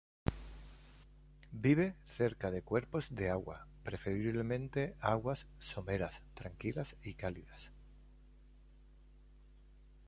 Vive cerca de cuerpos de agua, preferiblemente aguas someras, tranquilas y cálidas.